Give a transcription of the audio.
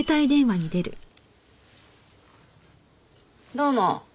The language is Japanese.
どうも。